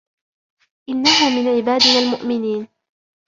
إِنَّهُ مِنْ عِبَادِنَا الْمُؤْمِنِينَ